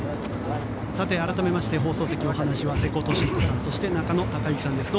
さて、改めて放送席のお話は瀬古利彦さんそして中野孝行さんです。